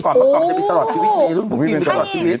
ปักของจะเป็นตลอดชีวิต